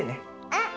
うん！